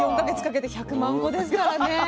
４か月かけて１００万個ですからね。